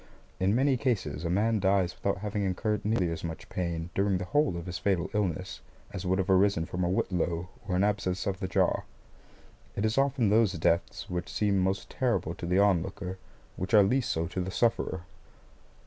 In many cases, a man dies without having incurred nearly as much pain, during the whole of his fatal illness, as would have arisen from a whitlow or an abscess of the jaw. And it is often those deaths which seem most terrible to the onlooker, which are least so to the sufferer.